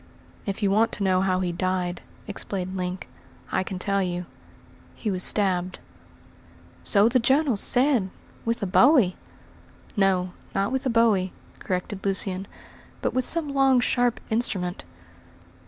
"If you want to know how he died," explained Link, "I can tell you. He was stabbed." "So the journals said; with a bowie!" "No, not with a bowie," corrected Lucian, "but with some long, sharp instrument."